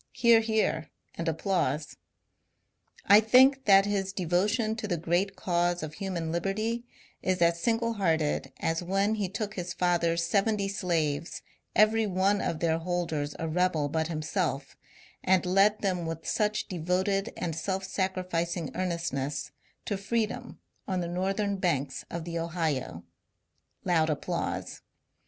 (Hear, hear, and applause.) I think that his devotion to the great cause of human liberty is as single hearted as when be took his father's seventy slaves, every one of their holders a rebel but himself, and led them with such devoted and self sacrificing earnestness to freedom on the northern banks of the Ohio. (Loud applause.)